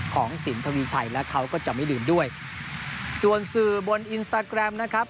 ของสินทวีชัยและเขาก็จะไม่ลืมด้วยส่วนสื่อบนนะครับ